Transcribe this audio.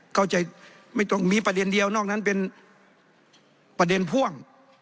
เข้าใจไม่ต้องมีประเด็นเดียวนอกนั้นเป็นประเด็นพ่วง